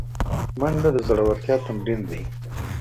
منډه د زړورتیا تمرین دی